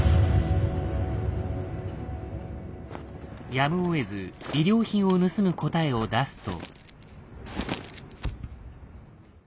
やむをえず医療品を盗む答えを出すと。